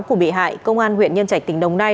của bị hại công an huyện nhân trạch tỉnh đồng nai